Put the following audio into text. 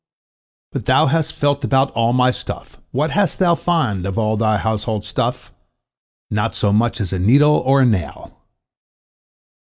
But thou hast felt about all my stuff, what hast thou found of all thy household stuff? Not so much as a needle or a nail."